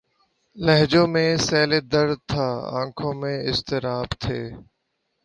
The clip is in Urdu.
لہجوں میں سیلِ درد تھا‘ آنکھوں میں اضطراب تھے